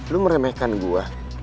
lo meremehkan gue